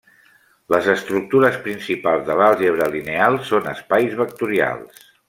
Les estructures principals de l'àlgebra lineal són espais vectorials.